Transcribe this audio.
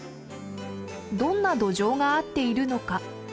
どんな土壌が合っているのか。